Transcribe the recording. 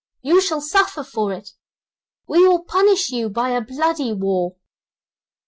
You shall suffer for it we will punish you by a bloody war.